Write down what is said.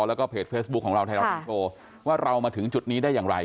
แล้วก็เพจเฟซบุ๊กของเราค่ะว่าเรามาถึงจุดนี้ได้อย่างไร